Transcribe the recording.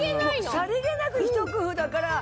さりげなくひと工夫だから。